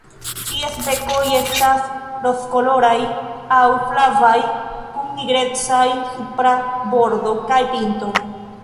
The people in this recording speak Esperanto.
Ties bekoj estas rozkoloraj aŭ flavaj kun nigrecaj supra bordo kaj pinto.